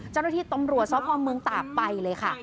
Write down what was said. เจ้าหน้าที่ตำรวจสพเมืองตากไปเลยค่ะ